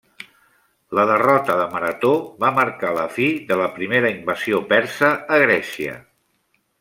La derrota de Marató va marcar la fi de la primera invasió persa a Grècia.